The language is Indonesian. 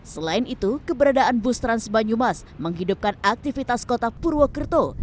selain itu keberadaan bus trans banyumas menghidupkan aktivitas kota purwokerto